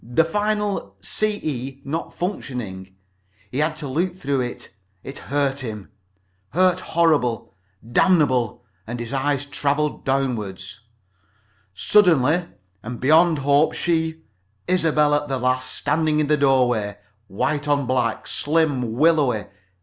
The final —CE not functioning. He had to look though it hurt him. Hurt horrible. Damnably. And his eyes traveled downward. "Suddenly and beyond hope she! Isobel at the last. Standing in the doorway. White on black. Slim. Willowy.